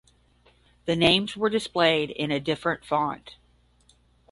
The names were displayed in a different font.